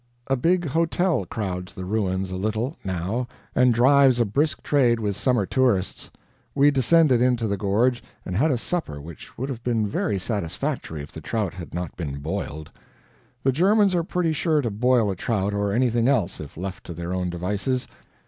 A big hotel crowds the ruins a little, now, and drives a brisk trade with summer tourists. We descended into the gorge and had a supper which would have been very satisfactory if the trout had not been boiled. The Germans are pretty sure to boil a trout or anything else if left to their own devices.